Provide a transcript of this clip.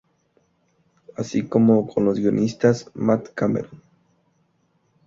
Así como con los guionistas Matt Cameron.